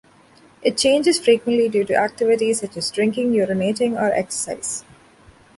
It changes frequently due to activities such as drinking, urinating, or exercise.